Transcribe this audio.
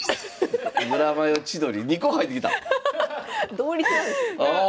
同率なんですね。